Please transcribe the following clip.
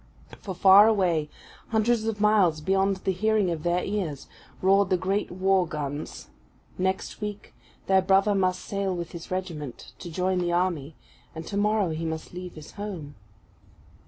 For, far away, hundreds of miles beyond the hearing of their ears, roared the great war guns; next week their brother must sail with his regiment to join the army; and tomorrow he must leave his home.